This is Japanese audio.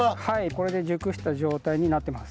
これで熟した状態になってます。